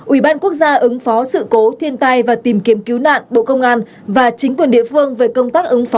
ủy ban quốc gia ứng phó sự cố thiên tai và tìm kiếm cứu nạn bộ công an